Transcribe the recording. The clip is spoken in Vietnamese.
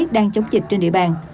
đang chống dịch trên địa bàn